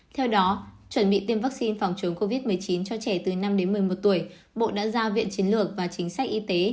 theo đó chuẩn bị tiêm vaccine phòng chống covid một mươi chín cho trẻ từ năm đến một mươi một tuổi bộ đã ra viện chiến lược và chính sách y tế